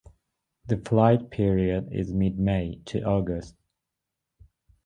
The flight period is mid May to August.